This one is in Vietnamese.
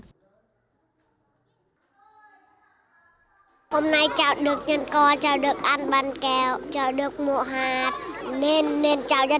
hôm nay chào được nhân con chào được ăn bánh kẹo chào được mụ hạt nên chào rất vui